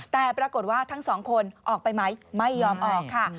แต่ปรากฏว่าทั้งสองคนออกไปไหมไม่ยอมออกค่ะ